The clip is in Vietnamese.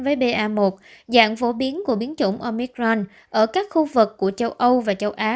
với ba một dạng phổ biến của biến chủng omicron ở các khu vực của châu âu và châu á